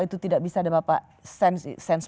itu tidak bisa dan apa sense